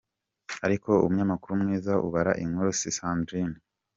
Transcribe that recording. Ariko umunyamakuru mwiza ubara inkuru ni Sandrine.